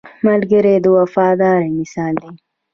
ملګری د وفادارۍ مثال دی